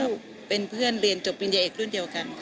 ก็เป็นเพื่อนเรียนจบปริญญาเอกรุ่นเดียวกันค่ะ